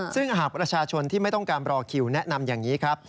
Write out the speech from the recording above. ซึ่งหากประชาชนที่ไม่ต้องการรอคิวแนะนำอย่างนี้ครับ